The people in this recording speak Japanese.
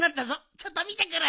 ちょっとみてくる！